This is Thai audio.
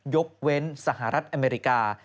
ยกเว้นสหรัฐอเมริกา